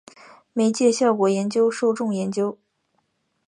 媒介效果研究受众研究